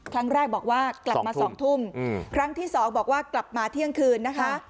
ครั้งแรกบอกว่ากลับมา๒ทุ่มครั้งที่สองบอกว่ากลับมาเที่ยงคืนนะคะ